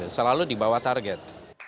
selalu dibawa target